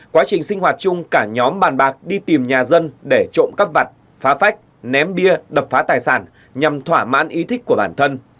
quá trình sinh hoạt chung cả nhóm bàn bạc đi tìm nhà dân để trộm cắp vặt phá phách ném bia đập phá tài sản nhằm thỏa mãn ý thích của bản thân